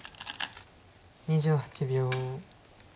２８秒。